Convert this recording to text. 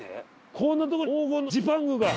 こんなとこに黄金のジパングが。